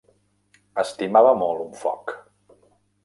Estimava molt un foc.